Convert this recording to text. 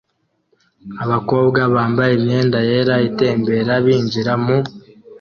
Abakobwa bambaye imyenda yera itembera binjira mu